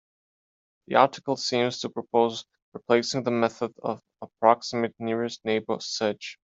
The article seems to propose replacing the method of approximate nearest neighbor search.